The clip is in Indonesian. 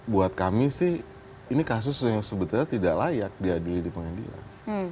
buat kami sih ini kasus yang sebetulnya tidak layak diadili di pengadilan